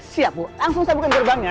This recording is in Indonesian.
siap bu langsung saya bukakan gerbangnya